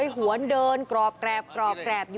สวัสดีครับ